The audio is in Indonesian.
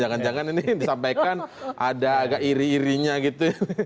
jangan jangan ini disampaikan ada agak iri irinya gitu